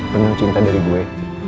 penuh cinta dari gue